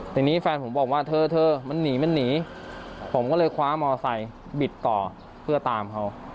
ที่นี้แฟนผมบอกว่าเธอเธอมันหนีวินิและนี่ผมก็เลยขั้นมาใส่บิดต่อเพื่อตามเขา